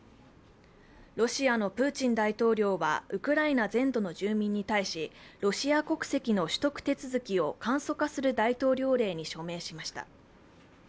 ロシアのプーチン大統領はウクライナ全土の住民に対しロシア国籍の取得手続きを簡素化する大統領令に署名しました。